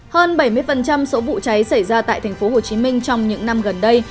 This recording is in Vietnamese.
hơn bảy mươi số vụ cháy xảy ra tại tp hcm trong những năm gần đây